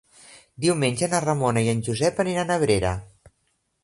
Diumenge na Ramona i en Josep aniran a Abrera.